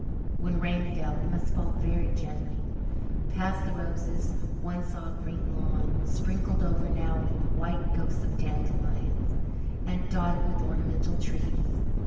When rain fell it must fall very gently. Past the roses one saw a green lawn, sprinkled over now with the white ghosts of dandelions, and dotted with ornamental trees.